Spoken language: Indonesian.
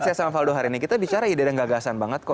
saya sama faldo hari ini kita bicara ide dan gagasan banget kok